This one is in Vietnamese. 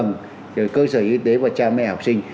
nhà trường cơ sở y tế và cha mẹ học sinh